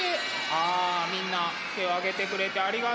あみんな手を挙げてくれてありがとう。